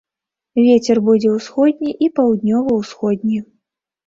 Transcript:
Вецер будзе ўсходні і паўднёва-ўсходні.